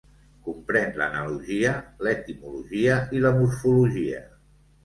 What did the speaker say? Comprèn l'analogia, l'etimologia, i la morfologia.